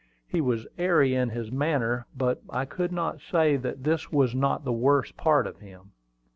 He was airy in his manner; but I could not say that this was not the worst part of him.